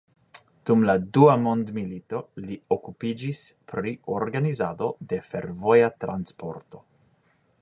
Dum la Dua mondmilito li okupiĝis pri organizado de fervoja transporto.